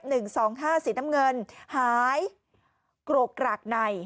หนึ่งสองห้าสีน้ำเงินหายโกรกกรากใน